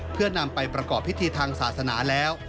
เพื่อนำไปประกอบพิธีทางศาสนาแล้ว